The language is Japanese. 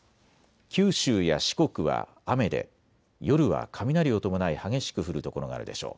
九州や四国は雨で夜は雷を伴い激しく降る所があるでしょう。